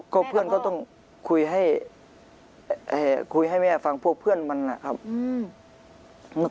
ก็เพื่อนก็ต้องคุยให้คุยให้แม่ฟังพวกเพื่อนมันนะครับ